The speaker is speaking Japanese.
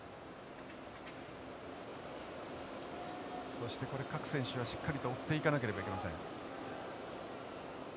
そしてこれ各選手はしっかりと追っていかなければいけません。